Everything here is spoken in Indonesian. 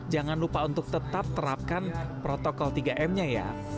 jangan lupa untuk tetap terapkan protokol tiga m nya ya